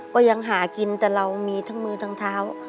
ก็ยังหากินแต่เรามีมือดังเท้า